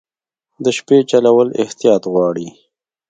د شپې چلول احتیاط غواړي.